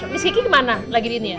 kiki kemana lagi di sini ya